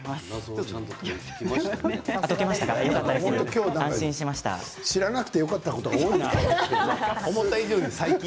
今日知らなくてもよかったこと多いな。